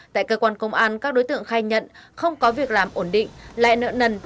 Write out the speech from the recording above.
tại cơ quan công an các đối tượng khai nhận không có việc làm ổn định lại nợ nần